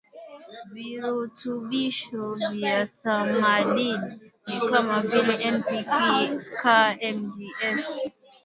virutubisho vya samadid ni kama vile N P K Ca Mg S